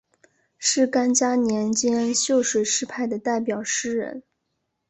是干嘉年间秀水诗派的代表诗人。